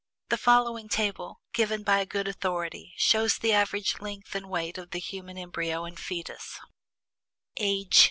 The following table, given by a good authority, shows the average length and weight of the human embryo and fetus: Age.